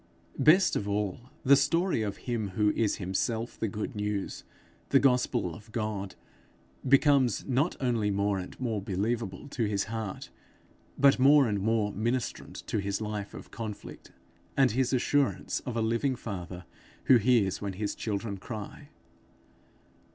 Best of all, the story of him who is himself the good news, the gospel of God, becomes not only more and more believable to his heart, but more and more ministrant to his life of conflict, and his assurance of a living father who hears when his children cry.